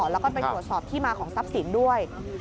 แล้วก็ไปตรวจสอบที่มาของทรัพย์สินด้วย